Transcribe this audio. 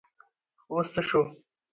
اوس څه شو ؟